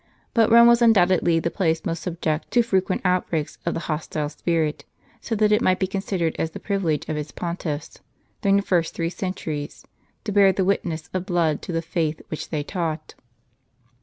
But Eome was undoubtedly the place most subject to fre quent outbreaks of the hostile spirit; so that it might be considered as the privilege of its pontiffs, during the first three centuries, to bear the witness of blood to the faith which they taught.